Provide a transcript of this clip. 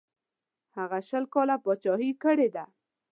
هغه شل کاله پاچهي کړې ده.